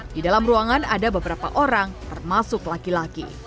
di dalam ruangan ada beberapa orang termasuk laki laki